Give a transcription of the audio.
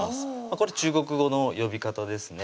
これ中国語の呼び方ですね